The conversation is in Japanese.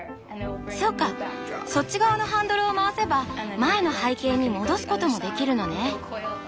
そうかそっち側のハンドルを回せば前の背景に戻すこともできるのね。